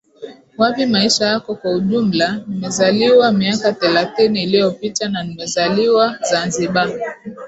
wapi maisha yako kwa ujumla Nimezaliwa miaka thelathini iliyopita na nimezaliwa Zanzibar